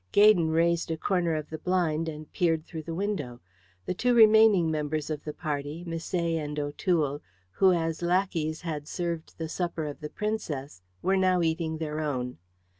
Gaydon raised a corner of the blind and peered through the window. The two remaining members of the party, Misset and O'Toole, who as lackeys had served the supper of the Princess, were now eating their own.